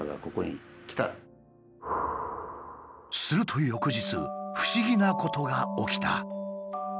すると翌日不思議なことが起きた。